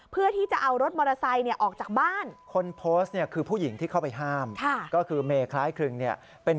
เพื่อที่จะเอารถมอเตอร์ไซค์ออกจากบ้าน